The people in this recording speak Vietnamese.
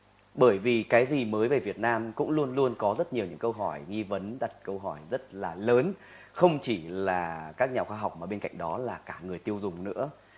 bởi vì cái gì mới về việt nam cũng luôn luôn có rất nhiều những câu hỏi nghi vấn đặt câu hỏi rất là lớn không chỉ là các nhà khoa học mà bên cạnh đó là cả người tiêu dùng nữa